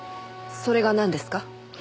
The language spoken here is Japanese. それがなんですか？